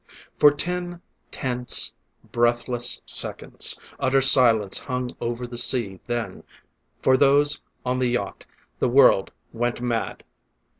For ten tense, breathless seconds utter silence hung over the sea ... then, for those on the yacht, the world went mad!